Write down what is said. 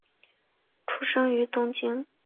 出生于东京。